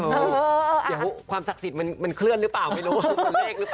เดี๋ยวความศักดิ์สิทธิ์มันเคลื่อนหรือเปล่าไม่รู้